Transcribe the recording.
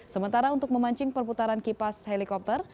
sementara untuk memancing perputaran kipas helikopter